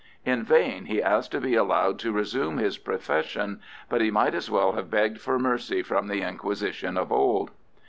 In vain he asked to be allowed to resume his profession, but he might as well have begged for mercy from the Inquisition of old.